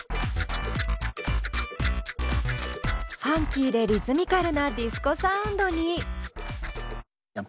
ファンキーでリズミカルなディスコサウンドに。